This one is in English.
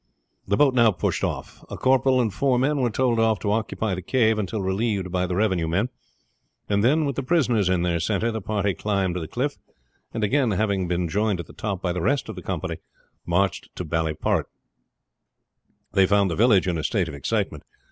The boat now pushed off. A corporal and four men were told off to occupy the cave until relieved by the revenue men, and then, with the prisoners in their center, the party climbed the cliff, and again, having been joined at the top by the rest of the company, marched to Ballyporrit. They found the village in a state of excitement.